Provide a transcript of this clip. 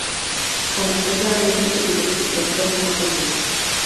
Ona seděla nejblíže u dosti prostorného krbu.